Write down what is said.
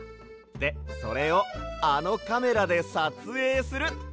でそれをあのカメラでさつえいする！